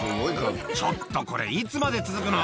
「ちょっとこれいつまで続くの？」